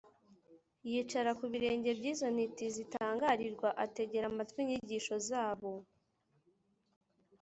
. Yicara ku birenge by’izo ntiti zitangarirwa, Ategera amatwi inyigisho zabo.